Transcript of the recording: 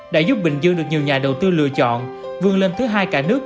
đã giúp bình dương được nhiều nhà đầu tư lựa chọn vươn lên thứ hai cả nước